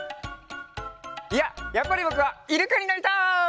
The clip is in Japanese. いややっぱりぼくはイルカになりたい。